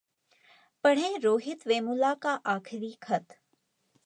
पढ़ें रोहित वेमुला का आखिरी खत...